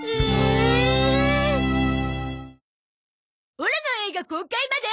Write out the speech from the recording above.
オラの映画公開まで。